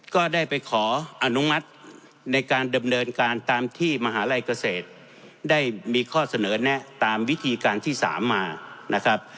ก็ได้ไปขออนุมัติในการดำเนินการตามที่มหาลัยเกษตรได้มีข้อเสนอแนะตามวิธีการที่๓มานะครับ